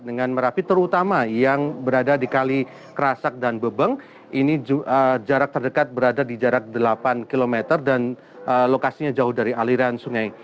dengan merapi terutama yang berada di kali kerasak dan bebeng ini jarak terdekat berada di jarak delapan km dan lokasinya jauh dari aliran sungai